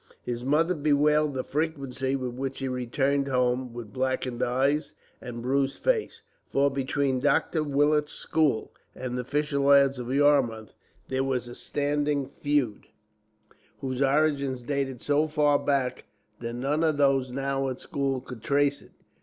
His mother bewailed the frequency with which he returned home with blackened eyes and bruised face; for between Dr. Willet's school and the fisher lads of Yarmouth there was a standing feud, whose origin dated so far back that none of those now at school could trace it.